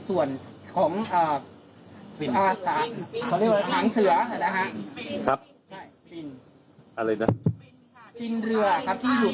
โดยทำใบพิสูจน์กระบาดไข้ที่เกิดขึ้น